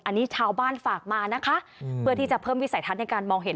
อันนี้ชาวบ้านฝากมานะคะเพื่อที่จะเพิ่มวิสัยทัศน์ในการมองเห็น